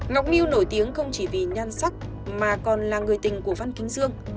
ngọc miu nổi tiếng không chỉ vì nhan sắc mà còn là người tình của văn kính dương